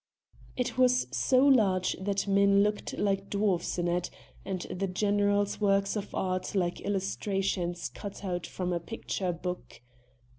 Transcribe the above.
It was so large that men looked like dwarfs in it, and the general's works of art like illustrations cut out of a picture book.